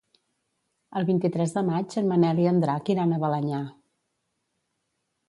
El vint-i-tres de maig en Manel i en Drac iran a Balenyà.